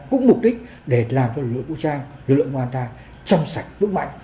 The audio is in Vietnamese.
cũng mục đích để làm cho lực lượng vũ trang lực lượng công an ta trong sạch vững mạnh